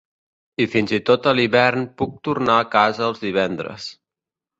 I fins i tot a l'hivern puc tornar a casa els divendres.